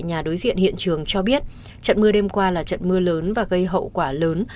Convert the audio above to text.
nhà đối diện hiện trường cho biết trận mưa đêm qua là trận mưa lớn và gây hậu quả lớn